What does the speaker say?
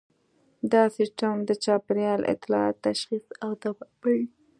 دا سیستم د چاپیریال اطلاعات تشخیص او ځوابوي